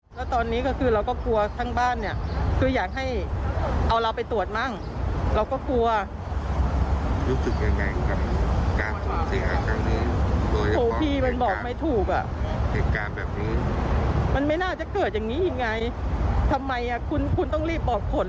ไม่ใช่โทรไปโรงพยาบาลก็บอกแต่ว่ายังไม่รู้ผล